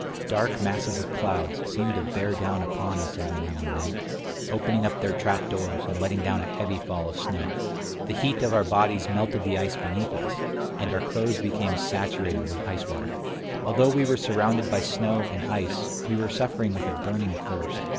Dark masses of clouds seemed to bear down upon us every now and then, opening up their trapdoors, and letting down a heavy fall of snow. The heat of our bodies melted the ice beneath us, and our clothes became saturated with ice water. Although we were surrounded by snow and ice, we were suffering with a burning thirst.